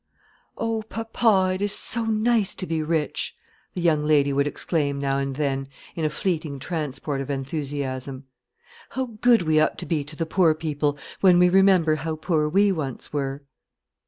"Oh, papa, it is so nice to be rich!" the young lady would exclaim now and then, in a fleeting transport of enthusiasm. "How good we ought to be to the poor people, when we remember how poor we once were!"